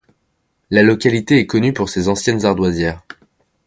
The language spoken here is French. La localité est connue pour ses anciennes ardoisières.